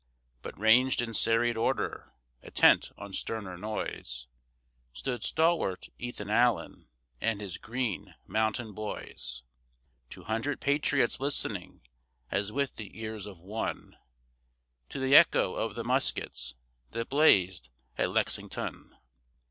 But, ranged in serried order, attent on sterner noise, Stood stalwart Ethan Allen and his "Green Mountain Boys," Two hundred patriots listening, as with the ears of one, To the echo of the muskets that blazed at Lexington!